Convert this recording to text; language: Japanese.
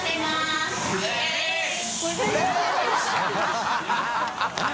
ハハハ